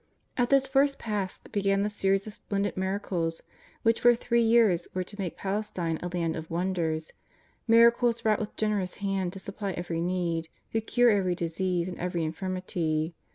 At this first Pasch began the series of splendid miracles which for three years were to make Palestine a Land of wonders, miracles wrought with generous hand to supply every need, to cure every disease and every in firmity.